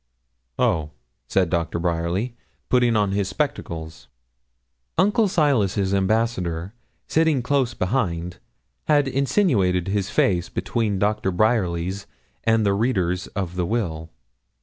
'Oh!' said Doctor Bryerly, putting on his spectacles. Uncle Silas's ambassador, sitting close behind, had insinuated his face between Doctor Bryerly's and the reader's of the will.